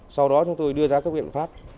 sau đó chúng tôi đưa ra các biện pháp